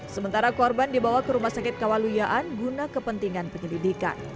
sementara korban dibawa ke rumah sakit kawaluyaan guna kepentingan penyelidikan